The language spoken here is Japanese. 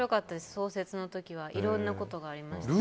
創設の時はいろんなことがありました。